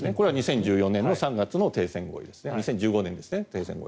これは２０１５年の３月の停戦合意ですね。